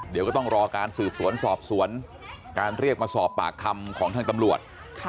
เดี๋ยวก็ต้องรอการสืบสวนสอบสวนการเรียกมาสอบปากคำของทางตำรวจ